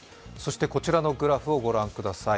こちらのグラフをご覧ください。